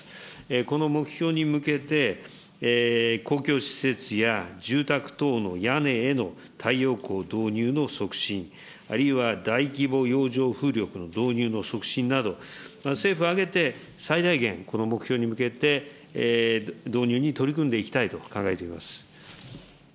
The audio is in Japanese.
この目標に向けて、公共施設や住宅等の屋根への太陽光導入の促進、あるいは大規模洋上風力の導入の促進など、政府を挙げて最大限この目標に向けて、導入に取り組んでいきたいと考えております。